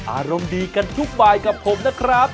อารมณ์ดีกันทุกบายกับผมนะครับ